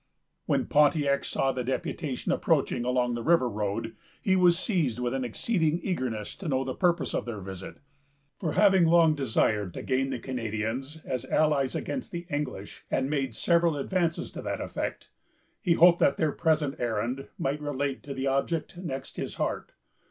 When Pontiac saw the deputation approaching along the river road, he was seized with an exceeding eagerness to know the purpose of their visit; for having long desired to gain the Canadians as allies against the English, and made several advances to that effect, he hoped that their present errand might relate to the object next his heart.